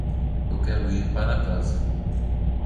Eu quero ir para casa.